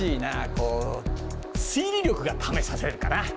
こう推理力が試されるかな。